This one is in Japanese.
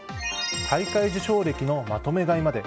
大会受賞歴のまとめ買いまで。